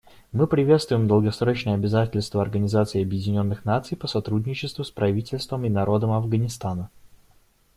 Мы приветствуем долгосрочные обязательства Организации Объединенных Наций по сотрудничеству с правительством и народом Афганистана.